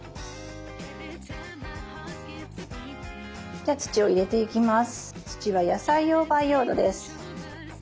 じゃあ土を入れていきます。